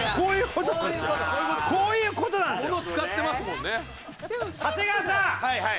こういう事なんですよ。